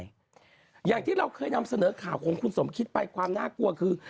อย่างที่เราเคยนำเสนอข่าวของคุณสมคิดไปความน่ากลัวคือ